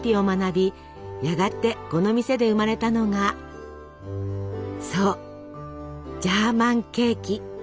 やがてこの店で生まれたのがそうジャーマンケーキ。